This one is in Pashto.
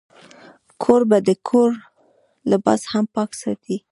کوربه د کور لباس هم پاک ساتي.